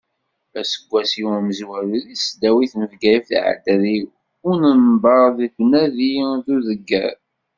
Aseggas-iw amezwaru deg tesdawit n Bgayet iɛedda deg unemḍer d unadi d udegger.